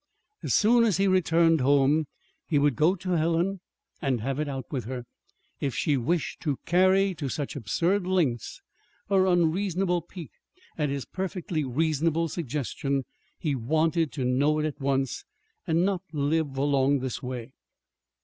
As soon as he returned home he would go to Helen and have it out with her. If she wished to carry to such absurd lengths her unreasonable pique at his perfectly reasonable suggestion, he wanted to know it at once, and not live along this way!